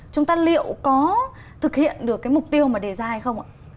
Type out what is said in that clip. chúng ta liệu có thực hiện được cái mục tiêu mà đề ra hay không ạ